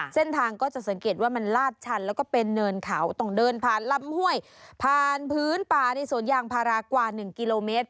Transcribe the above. เส้นทางก็จะสังเกตว่ามันลาดชันแล้วก็เป็นเนินเขาต้องเดินผ่านลำห้วยผ่านพื้นป่าในสวนยางพารากว่า๑กิโลเมตร